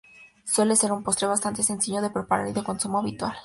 Suele ser un postre bastante sencillo de preparar y de consumo habitual.